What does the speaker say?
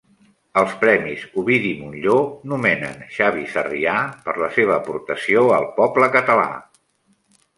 Els Premis Ovidi Montllor nomenen Xavi Sarrià per la seva aportació al poble català